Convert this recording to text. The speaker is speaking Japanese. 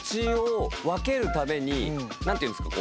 何ていうんですか？